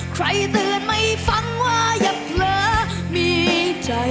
ใครตื่นไม่ฟังว่าเย็บเหลือมีใจให้